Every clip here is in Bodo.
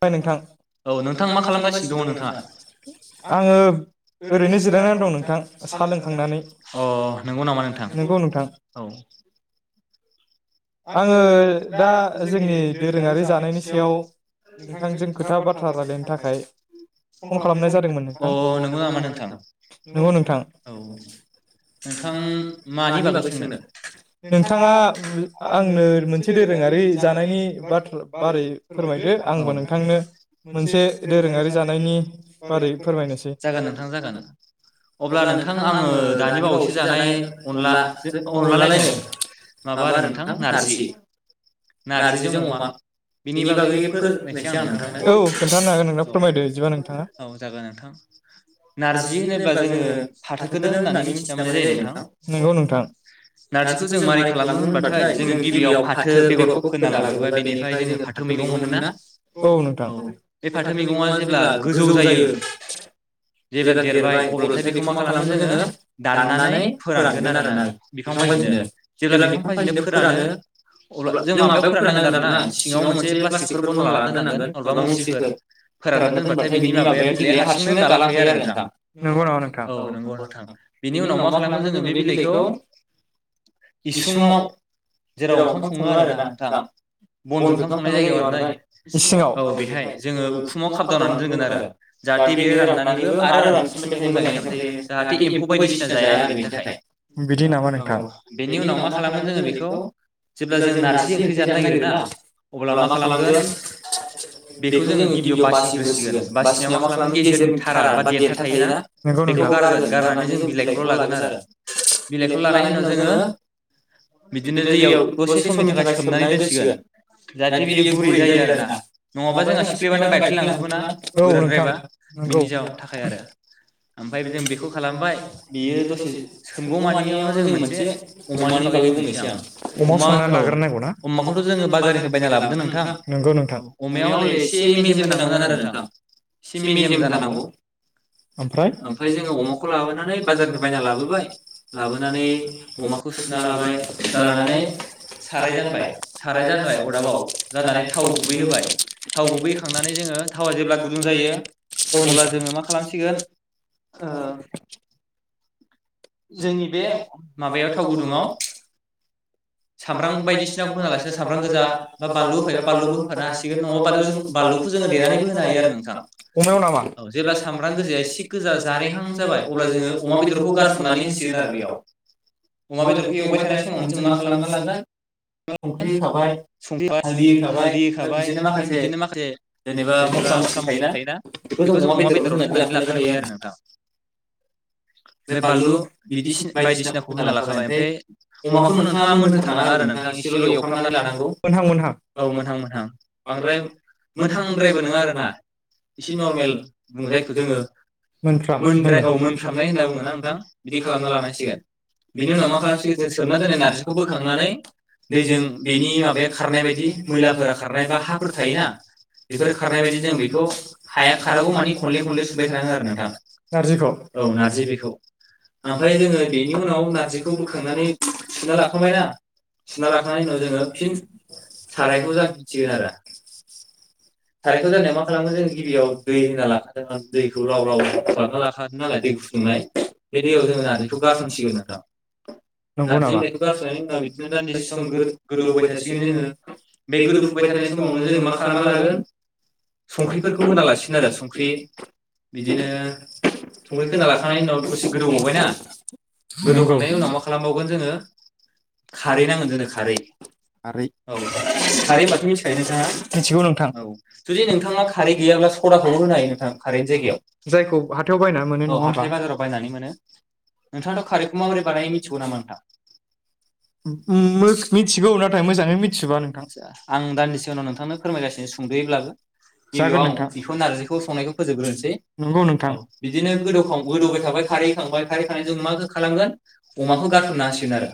[unintelligible] नोंथां औ नोंथां मा खालामगासिनो दङ नोंथाङा आङो ओरैनो जिरायना दं नोंथां साहा लोंखांनानै नंगौ नामा नोंथां । नंगौ नोंथां। आङो दा जोंनि दोरोङारि जानायनि सायाव। नोंथांजों खोथा बाथ्रा रायलायनो थाखाय फन खालामनाय जादोंमोन नोंथां। औ नंगौ नामा नोंथां? नंगौ नोंथां। नोंथां मानि बागै सोंनो? नोंथाङा आंनो मोनसे दोरोङारि जानायनि बाथ्रा बारै फोरमाय आंबो नोंथांनो मोनसे दोरोङारि जानायनि बारै फोरमायनोसै। जागोन नोंथां जागोन । अब्ला नोंथां आङो दानि बावैसो जानाय अनला अनलालायनो माबा नारजि नारजिजों अमा बिनि बागै फोरमायसै आं नोंथांनो। औ औ जागोन नोंथां नारजि होनोब्ला जोङो फाथोखौनो होननानै मिथिना मोननाय जायो नोंथां। नारजिखौ जों मारै खालामो होनबा। ओमफ्राय जों गिबियाव फाथो बेगरखौ फोना लाग्रोबा बेनिफ्राय जोङो फाथो मैगं मोनोना? औ नोंथां औ बे फाथो मैगंआ जेब्ला गोजौ जायो जेब्ला देरबाय अल्बाथाय बेखौ मा खालामगोन जोङो दाननानै फोरानगोन आरोना बिफां फांसेनो जेब्ला बिफां फांसेनो। फोरानो अब्ला जों माबायाव फोराननांगोन आरोना सिङाव मोनसे प्लास्टिक। फोर दंल्बा दोननांगोन माबा मुस्रिफोर फोरानना दोनबाथाय बिनि माबाया बिलाइया हारसिंनो गालांखायो आरो नोंथां । नंगौ नामा नोंथां? औ नंगौ नोंथां । बेनि उनाव मा खालामो जोङो बे बिलाइखौ इसुङाव जेराव ओंखाम सङो आरो ना दा बन [inaudible] इसिङाव औ बेहाय जोङो फुङाव खाबदावनानै दोनो आरो जाहाथे बेयो राननानैबो आरो रानफिनबाय थ मोजाङै थाबायो जाहाथे एम्फौ बायदिसिना जाया आरो बेनि थाखाय। बिदि नामा नोंथां? बेनि उनाव मा खालामो दिनै बेखौ जेब्ला जों नारजि ओंख्रि जानो नागिरो ना अब्ला मा खालामगोन? बेखौ जोङो गिबियाव बासिग्रोसिगोन बासिनायाव मा खालामो गेजेरनि थारा बा देरथा थायोना बेखौ गारगोन गारनानै जों बिलाइखौल' लागोन आरो बिलाइखौ लानायनि उनाव जोङो बिदिनो जेयाव दसे समनि थाखाय सोमनानै दोनसिगोन जाहाथे बियो गुरै जायो आरो। नङाबा जों सिफलयबानो बायफे औ नोंथां नंगौ मफ्राय बेखौ खालामबाय बेयो दसे सोंगौ मानियावनो जों मोनसे अमानि बागै बुंनो। मि अमा संना लाग्र नांगौ ना अमाखौथ' जोङो बाजारनिफ्राय बायना लाबोदों नोंथां। नंगौ नोंथां अमायाव हले एसे मेजेम होनोनांगमोन आरो नोंथां एसे मेजेम जानांगौ ओमफ्राय ओमफ्राय जोङो अमाखौ लाबोनानै बाजारखौ बायना लाबोबाय लाबोनानै अमाखौ सुना लाबाय। सुना लानानै साराय जानबाय साराय जानबाय अरदाबाव जानानै। गुबै होबाय थाव गुबैखांनानै जोङो थावा जेब्ला गुदुं जायो अब्ला जोङो मा खालामसिगोन ओ जोंनि बे माबायाव थाव गुदुङाव सामब्राम बायदिसिनाखौ होनालासिनो सामब्राम गोजा बा बानलु होफैबा होफानो हासिगोन अमायाव नामा जेब्ला सामब्राम गोजाया एसे गोजा जारें रें जाबाय अब्ला जों अमा बेदरखौ गारसोमना होसिगोन आरो अमा बेदरखौ जों मा खालामना लागोन संख्रि होखाबाय हालदै होखाबाय हालदि होखाबाय ओमफ्राय बिदिनो माखासे जेनेबा मस्ला मसिल थायोना बेखौ जों अमा बेदरावनो होनानै लाखानो हायो आरो नोंथां ओमफ्राय बानलु बिदि बायदिसिनाखौ होना लाखाबाय ओमफ्राय बे अमाखौ नोंथाङा मोनहोथारनाङा आरो नोंथां एसेल' एवफ्रामनानै लानांगौ मोनहां मोनहां औ मोनहां मोनहां बांद्राय मोनहांद्रायबो नोङा आरोना एसे नरमेल बुङो जायखौ जोङो मोनद्राय औ मोनफ्रामनाय होनना बुङो ना नोंथां बिदि खालामना लानांसिगोन बिनि उनाव मा खालामसिगोन खुरना दोननाय नारजिखौ बोखांनानै थांनानै दैजों बेनि माबाया खारनाय बायदि मैलाफोरा खारनाय बा हाफोर थायोना बेफोर खारनाय बादि जों बेखौ हाया खारांगौ मानि खनले खनले सुबाय थानांगोन आरो नोंथां नारजिखौ औ नारजि बेखौ ओमफ्राय जोङो बेनि उनाव नार्जिखौ बोखांनानै सुना लाखांबायना सुना लाखांनायनि उनाव जोङो फिन सारायखौ जानफिनसिगोन आरो सारायखौ जानायाव मा खालामगोन जोङो गिबियाव दै होना लाखादोंमोन दैखौ लाव लाव खालामना लाखादों नालाय दै फुदुंनाय बे दैयाव जोङो नार्जिखौ गारसनसिगोन नोंथां। नंगौ नामा [unintelligible] गोदौ होबाय थासिगोन जोङो बे गोदौहोबाय थानाय समावनो जोङो मा खालामना लागोन संख्रिफोरखौ होना लासिगोन आरो संख्रि बिदिनो संख्रिखौ होना लाखांनायनि उनाव दसे गोदौबावबायना गोदौनायनि उनाव खालामबावगोन जोङो खारै नांगोन जोनो खारै खारै औ खारै होमबाथ' मिथिखायो नोंथाङा मिथिगौ नोंथां। जुदि नोंथाङा खारै गैयाब्ला सदाखौबो होनो हायो नोंथां खारैनि जायगायाव जायखौ औ हाथाय बाजाराव बायनानै मोनो नोंथाङाथ' खारैखौ माबोरै बानाय मि मिथिगौ नामा नोंथां मोनथिगौ नाथाय मोजाङै मोनथिजोबा आच्छा आं दान्दिसे उनाव नोंथांनो फोरमायगासिनो सुं [unintelligible] जकगोन नोंथां नारजिखौ संनायखौ फोजोबग्रोनसै नंगौ नोंथां बिदिनो गोदौखाव गोदौबाय थाबाय खारै होखांबाय खारै होखांनायनि उनाव जों माखौ खालामगोन अमाखौ गारसनना होसिगोन आरो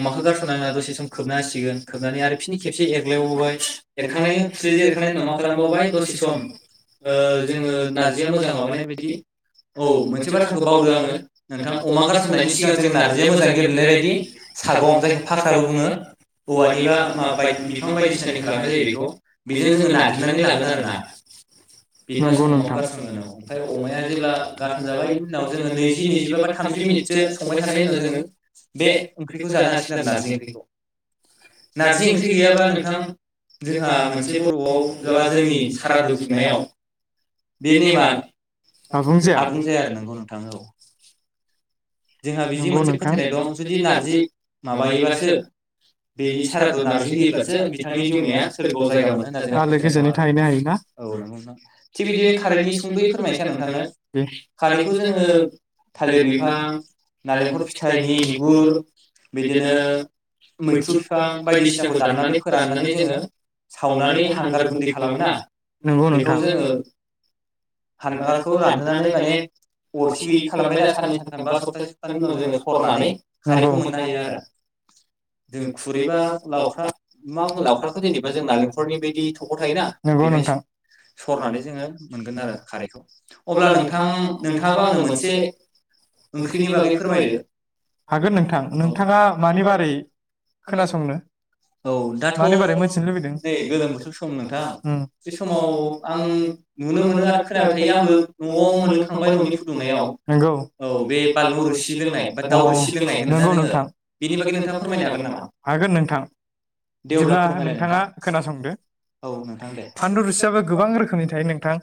अमाखौ गारसनना दसे सम खोबना होसिगोन खोबनानै आरो फिन खेबसे एरलायबावबाय एरखांनायनि [unintelligible] मा खालामबावबाय दसे सम ओ जोङो नारजिया मोजां माबानायदि औ मोनसे बाथ्राखौ बावदो आङो नोंथाङा अमा गारसननायनि सिगां जों जों नारजिया मोजां गेब्लेनाय बायदि सागं जायखौ फाख्राबो बुङो औवानि बा बिफां बायदिसिनानि खालामनाय जायो बेखौ बेजों जोङो नाग्लिनानै लागोन आरोना नोंगौ नोंथां ओमफ्राय अमाया जोंना गारसन जाबाय बेनि उनाव जोङो नैजि नैजिबा बा थामजि मिनिटसो संबाय थानायनि उनाव जोङो बे ओंख्रिखौ जानो हासिगोन आरो नारजि ओंख्रिखौ नारजि ओंख्रि गैयाबा नोंथां जोंहा मोनसे [unintelligible] जोंनि सारादु खुंनायाव बे नेमा आबुं जाया आबुं जाया आरो जोंहा बिदि मोनसे फोथायनाय दं जुदि नार्जि माबायोबासो बि सारादया नार्जि होयोब्लासो बिथांनि जिउमाया सोरगोआव जायगा मोनो होनना जोंहा फोथायनाय दं आरो औ नोंगौ नोंथां थिग बिदिनो खारैनि सुंदयै फोरमायनोसै आ नोंथांनो खारैखौ जोङो थालिर बिफां नालेंखल फिथाइनि बिगुर बिदिनो मैथ्रु बिफां बायदिसिनाखौ दाननानै फोराननानै जोङो सावनानै हांगार गुन्दै खालामोना बेखौ जोङो हांगारखौ रानहोनानै माने अरखि गैयि खालामबायना साननै सानथाम बा सप्तासे बेनि उनाव जोङो सरनानै खारैखौ मोननो हायो आरो जों खुरैबा लावख्रा मा बुनङो लावक्राखौ जेनेबा जों नारेंखलनि बायदि थख' थायोना बेहाय सरनानै जोङो मोनगोन आरो खारैखौ अब्ला नोंथां नोंथाङाबो आंनो मोनसे ओंख्रिनि बागै फोरमायदो हागोन नोंथां नोंथाङा मानि बारै खोनासंनो औ मानि बारै मोनथिनो लुबैदों गो बोथोर सम नोंथां बे समाव आं नुनो मोनो खोनाबाय थायो आंबो न'आव मोनलों खांबाय न'नि फुदुंनायाव नंगौ औ बे [unintelligible] लोंनाय बा दाव रोसि रोंनाय नोंगौ नोंथां बिनि बागै नोंथङा फोरमायनो हागोन नामा हागोन नोंथां बिदिब्ला नोंथङा खोनासंदो औ फानलु ओसियाबो गोबां रोखोमनि थायो नोंथां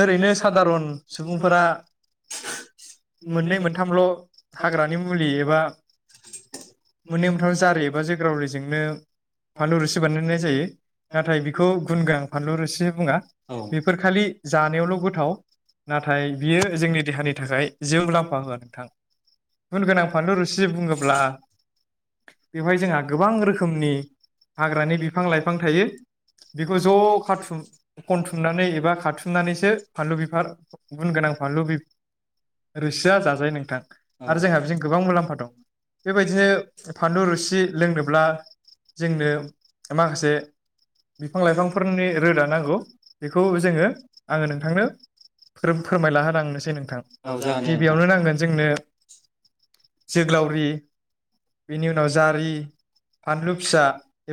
ओरैनो सादारन सुबुंफोरा [inaudible] मोननै मोनथाम हाग्रानि मुलि एबा मोननै मोनथाम जारि एबा जोग्राावरिजोंनो फानलु रुसि बानायनाय जायो नाथाय बेखौ गुन गोनां फानलु रोसि बुङा बेफोर खालि जानायावल' गोथाव नाथाय बियो जोंनि देहानि थाखाय जिबो मुलामफा होआ गुन गोनां फानलु रुसि बुङोब्ला बेवहाय जोंहा गोबां रोखोमनि हाग्रानि बिफां लाइफां थायो बेखौ ज' खाथुम खनथुमनानै एबा खाथुमनानैसो फानलु बिफां गुन गोनां फानलु बिफां रोसिया जाजायो। आरो जोंहा बिजों गोबां मुलाम्फा दं बेबायदिनो फानलु रुसि लोंनोब्ला जोंनो माखासे बिफां लाइफांफोरनि रोदा नांगौ बेखौ जोङो आङो नोंथांनो फोरमायलाहोनांनोसै नोंथां। औ जागोन दे गिबियावनो नांगोन। जोंनो जोग्लावरि बेनि उनाव जारि फानलु फिसा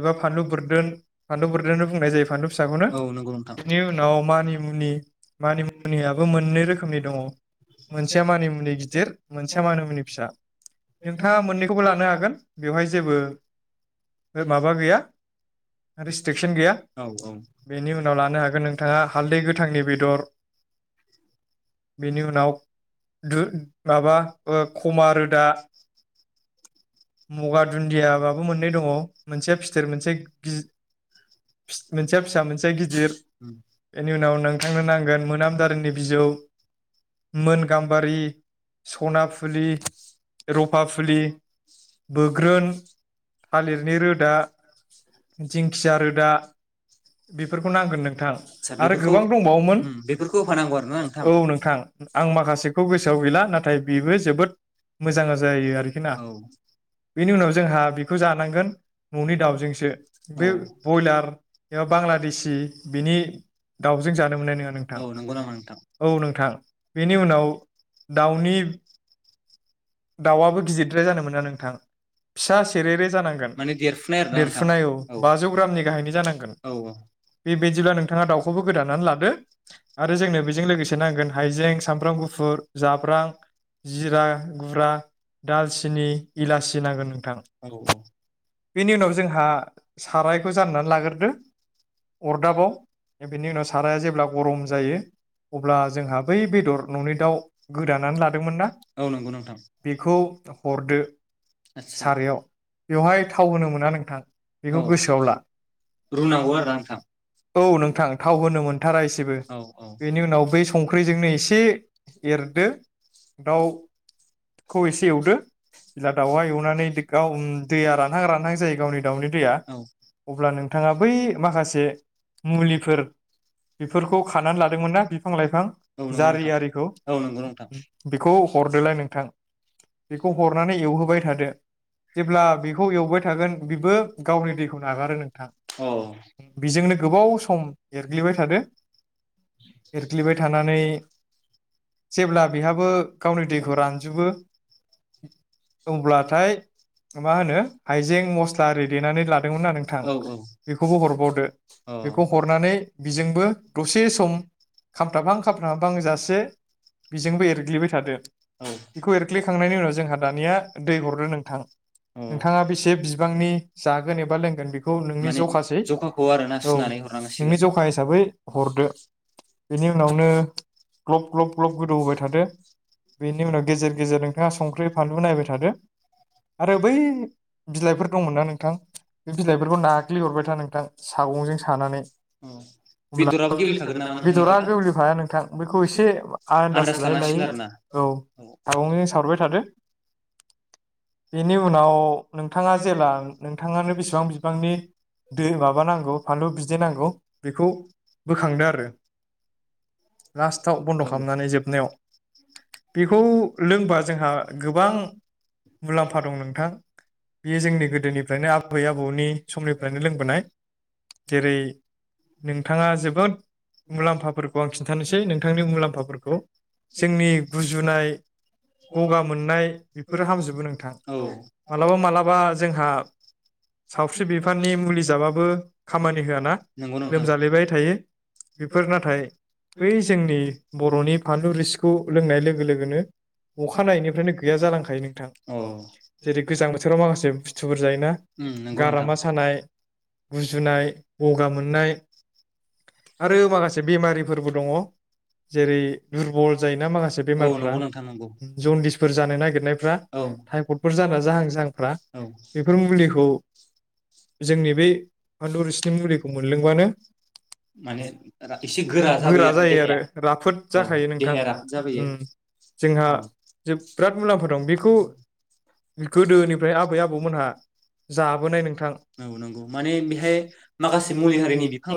एबा फानलु बुरदोन फानलु बुरदोननो बुंनाय जायो फानलु फिसाखौनो [unintelligible] बिनि उनाव मानिमुनि मानिमुनियाबो मोननै रोखोमनि दङ मोनसेया मानि मुनि गिदिर मोनसेया मानि मुनि फिसा नोंथाङा मोननैखौबो लाना नो हागोन बेवहाय जेबो माबा गैया रेस्ट्रिकसन गैया बेनि उनाव लानो हागोन नोंथाङा हालदै गोथांनि बेदर बेनि उनाव [unintelligible] माबा ओ खमा रोदा। मगा दुन्दियाबाबो मोननै दङ मोनसेया फिथेर मोनसे मोनसेया फिसा मोनसे गिदिर बेनि उनाव नोंथांनो नांगोन मोनाम दारिनि बिजौ मोन गाम्बारि सना फुलि रुफा फुलि बोग्रोन थालिरनि रोदा दिंखिया रोदा बेफोरखौ नांगोन नोंथां आरो गोबां दंबावोमोन औ नोंथां आं माखासेखौ गोसोआव गैला नाथाय बेबो जोबोद मोजां जायो आरोखि ना। बेनि उनाव जोंहा बेखौ जानांगोन न'नि दाउजोंसो बे बयलार एबा बांलादेशि बेनि दाउजों जानो मोननाय नङा नोंथां औ नोंथां बेनि उनाव दाउनि दाउआबो गिदिर द्राय जानो मोना नोंथां फिसा सेरेरे जानांगोन माने देरफुनाय आरो ना देरफुनाय औ बाजौ ग्रामनि गाहायनि जानांगोन औ बे-बे-बेबायदिब्ला नोंथाङा दाउखौबो गोदानानै लादो आरो जोंनो बेजों लोगोसे नांगोन हाइजें सामब्राम गुफुर जाब्रां जिरा। ब्राम दालचिनि [unintelligible] औ औ [unintelligible] सारायखौ जाननानै लाग्रोदों अगदाबाव बिनि उनाव साराया जेब्ला गरम जायो अब्ला बै दाव गोदानानै लादोंमोन ना औ नोंगौ नोंथां। बेखौ आतसा औ रुनांगौ आरोना नोंथां औ औ। खौ एसे एवदो जेब्ला दाउहा एवनानै गाव दैया रानहां रानहां जायो गावनि दाउनि दैया अब्ला नोंथाङा बै माखासे मुलिफोर बेफोरखौ खानानै लादोंमोन ना बिफां लाइफां जारि आरिखौ बेखौ हरदोलाय नों बेखौ हरनानै एवहोबाय थादो जेब्ला बेखौ एवबाय थागोन बेबो गावनि दैखौ नागारो नोंथां बेजोंनो गोबाव सम एरग्लिबाय थादो एरग्लिबाय थानानै जेब्ला बेहाबो गावनि दैखौ रान बो औ औ अ। बेखौ एरग्लिखांनायनि उनाव जों दानिया दै हरदो नोंथां नोंथाङा बेसे बिबांनि जागोन एबा लोंगोन बेखौ नोंनि जखासै औ नोंनि जखा हिसाबै हरदो बेनि उनावनो ग्लब ग्लब ग्लब गोदौ होबाय थादो। बेनि उनाव गेजेर गेजेर नोंथाङा संख्रि फानलु नायबाय थादो आरो बै बिलाइफोर दंमोनना नोंथां बे बिलाइफोरखौ नाग्लिहरबाय था नोंथां सागंजों सानानै बेदरा गोब्लेफाया नोंथां बेखौ एसे आन्दाज लायै लायै औ सागंजों साहरबाय थादो। बेनि उनाव नोंथाङा जेला नोंथाङानो बेसेबां बिबांनि दै माबा नांगौ फानलु बिदै नांगौ बेखौ बोखांदो आरो लास्टआव बन्द खालामनानै जोबनायाव। बेखौ लोंबा जोंहा गोबां मुलाम्फा दं नोंथां बेयो जोंनि गोदोनिफ्रायनो आबै आबौनि समनिफ्रायनो लोंबोनाय जेरै नोंथाङा जोबोद मुलाम्फाफोरखौ आं खिन्थानोसै नोंथांनि मुलाम्फाफोरखौ जोंनि गुजुनाय गगा मोनना बेफोरो हामजोबो नोंथां मालाबा मालाबा जोंहा सावस्रि बिफाननि मुलि जाबाबो खामानि होआ ना लोमजालेबाय थायो बेफोर नाथाय बै जोंनि बरनि फानलु रोसिखौ लोंनाय लोगो लोगोनो अखानायैनिफ्रायनो गैया जालांखायो नोंथां जेरै गोजां बोथोराव माखासे बुस्थुफोर जायोना गारामा सानाय गुजुनाय गगा मोननाय आरो माखासे बेमारिफोरबो दङ जेरै दुरबल जायो दा माखासे बेमारफोरा जनदिस औ औ माने एसे गोरा जाबोयो आरो देहाया औ देहाया राफोद उम जोंहा नंगौ नंगौ माने बेहाय माखासे मुलि हारिनि बिफां